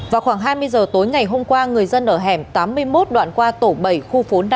vào khoảng hai mươi giờ tối ngày hôm qua người dân ở hẻm tám mươi một đoạn qua tổ bảy khu phố năm